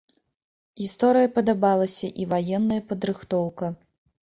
Гісторыя падабалася і ваенная падрыхтоўка.